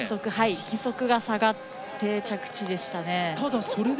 義足が下がって着地でしたね。